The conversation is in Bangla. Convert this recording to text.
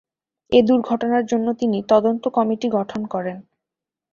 এ দূর্ঘটনার জন্য তিনি তদন্ত কমিটি গঠন করেন।